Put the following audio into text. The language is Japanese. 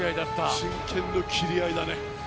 真剣の斬り合いね。